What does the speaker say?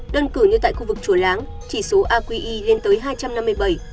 đơn cử như tại khu vực chùa láng chỉ số aqi lên tới hai trăm năm mươi bảy